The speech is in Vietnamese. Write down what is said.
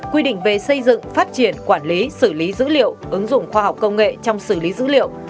quy định về xây dựng phát triển quản lý xử lý dữ liệu ứng dụng khoa học công nghệ trong xử lý dữ liệu